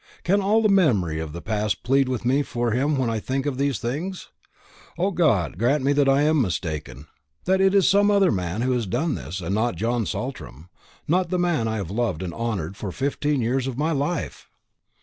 can all the memory of the past plead with me for him when I think of these things? O God, grant that I am mistaken; that it is some other man who has done this, and not John Saltram; not the man I have loved and honoured for fifteen years of my life!"